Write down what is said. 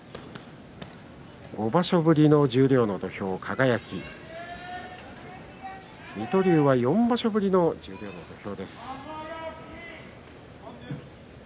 ５場所ぶりの十両の土俵、輝水戸龍は４場所ぶりの十両の土俵です。